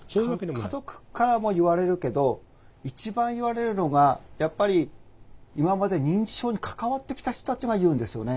家族からも言われるけど一番言われるのがやっぱり今まで認知症に関わってきた人たちが言うんですよね。